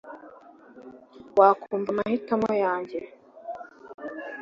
wakumva amahitamo yanjye